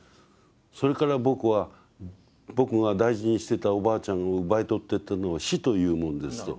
「それから僕は僕が大事にしてたおばあちゃんを奪い取ってったのは死というものです」と。